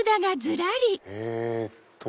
えっと。